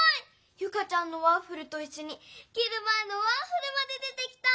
ユカちゃんのワッフルといっしょにきるまえのワッフルまで出てきた！